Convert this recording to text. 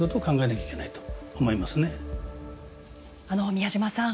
宮嶋さん